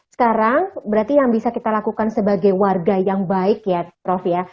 sekarang berarti yang bisa kita lakukan sebagai warga yang baik ya prof ya